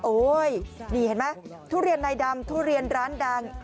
โอ๊ยนี่เห็นไหมทุเรียนในดำทุเรียนร้านดัง